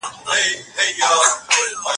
په خلوت کي جنت غواړئ